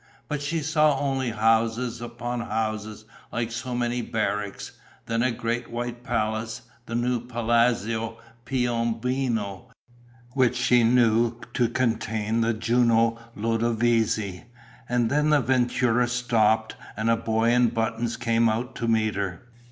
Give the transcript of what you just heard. But she saw only houses upon houses, like so many barracks; then a great white palace, the new Palazzo Piombino, which she knew to contain the Juno Ludovisi; and then the vettura stopped and a boy in buttons came out to meet her.